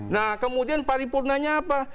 nah kemudian paripurnanya apa